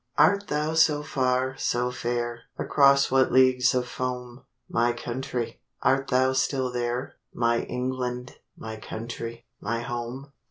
Art thou so far, so fair? Across what leagues of foam, My country? Art thou still there, My England, my country, my home?